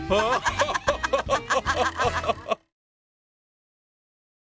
ハハハハハ！